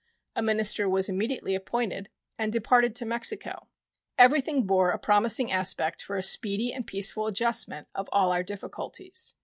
A minister was immediately appointed, and departed to Mexico. Everything bore a promising aspect for a speedy and peaceful adjustment of all our difficulties.